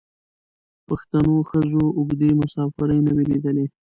پښتنو ښځو اوږدې مسافرۍ نه وې لیدلي.